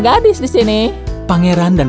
gadis di sini pangeran dan